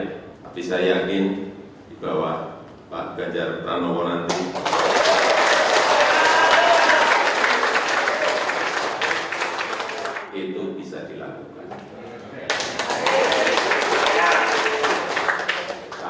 tapi saya yakin di bawah pak ganjar pranowo nanti itu bisa dilakukan